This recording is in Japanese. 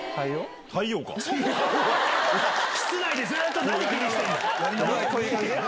室内でずっと何気にしてんだよ！